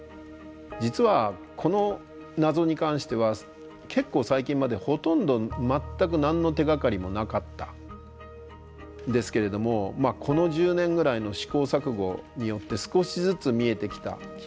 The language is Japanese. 実はこの謎に関しては結構最近までほとんど全く何の手がかりもなかったんですけれどもこの１０年ぐらいの試行錯誤によって少しずつ見えてきた気がしています。